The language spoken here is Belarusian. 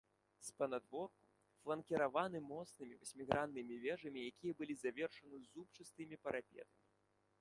З панадворку фланкіраваны моцнымі васьміграннымі вежамі, якія былі завершаны зубчастымі парапетамі.